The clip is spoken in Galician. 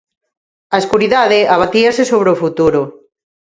A escuridade abatíase sobre o futuro.